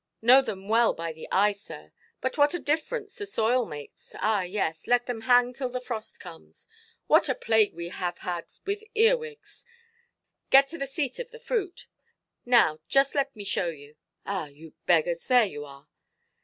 Know them well by the eye, sir. But what a difference the soil makes! Ah, yes, let them hang till the frost comes. What a plague we have had with earwigs! Get into the seat of the fruit; now just let me show you. Ah, you beggars, there you are.